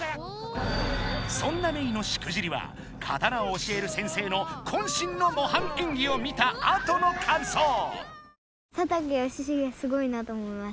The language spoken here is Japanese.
そんなメイのしくじりは刀を教える先生のこん身のもはん演技を見たあとの感想。